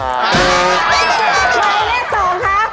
หมายเล่น๒ค่ะ